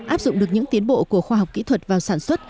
áp dụng được những tiến bộ của khoa học kỹ thuật vào sản xuất